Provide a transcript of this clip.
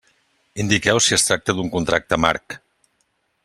Indiqueu si es tracta d'un contracte marc.